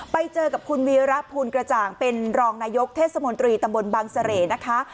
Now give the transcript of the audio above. ไปเจอกับคุณวีระภูลกระจ่างเป็นรองนายกเทศมนตรีตำบลบังเสร่นะคะ